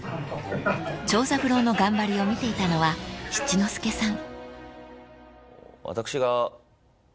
［長三郎の頑張りを見ていたのは七之助さん］